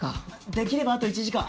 できればあと１時間！